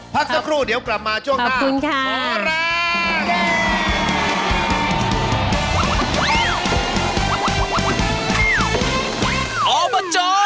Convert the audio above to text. พักสักครู่เดี๋ยวกลับมาช่วงหน้าคุณค่ะ